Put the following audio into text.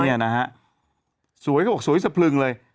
เนี่ยนะฮะสวยเขาบอกสวยสะพลึงเลย